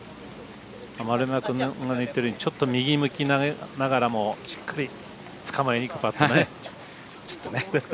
丸山君が言ってるようにちょっと右向きながらもしっかりつかまえにいくっていう。